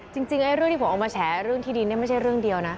จริงเรื่องที่ผมออกมาแฉเรื่องที่ดินไม่ใช่เรื่องเดียวนะ